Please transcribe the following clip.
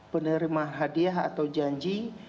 penerima hadiah atau janji